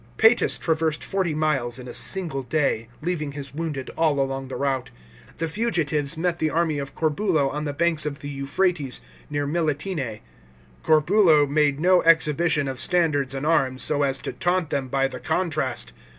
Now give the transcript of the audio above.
Psetus traversed forty miles in a single day, leaving his wounded all along the route. The fugitives met the army of Coibulo on the banks of the Euphrates, near Melitene. " Corbulo made no exhibition of standards and arms, so as to taunt them by the contrast.